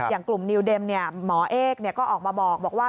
อย่างกลุ่มนิวเด็มหมอเอกก็ออกมาบอกว่า